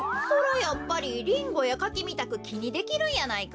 やっぱりリンゴやカキみたくきにできるんやないか？